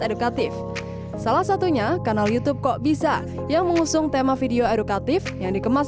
edukatif salah satunya kanal youtube kok bisa yang mengusung tema video edukatif yang dikemas